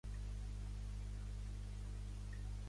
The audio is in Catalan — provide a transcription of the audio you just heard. El dialecte és part de l'idioma inuvialuktun.